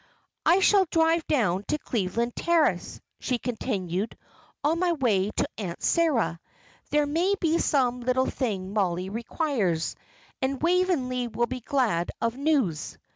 "I shall drive down to Cleveland Terrace," she continued, "on my way to Aunt Sara. There may be some little thing Mollie requires, and Waveney will be glad of news."